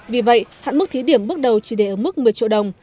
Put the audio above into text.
vì vậy hạn mức thí điểm bước đầu chỉ để ở mức một mươi triệu đồng